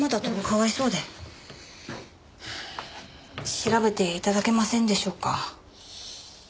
調べていただけませんでしょうか？